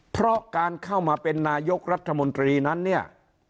เพราะการเข้ามาเป็นนายกรัฐมนตรีนั้นเนี่ย